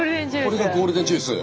これがゴールデンジュース！